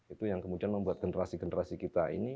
itu yang kemudian membuat generasi generasi kita ini